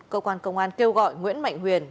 cơ quan công an kêu gọi nguyễn mạnh huyền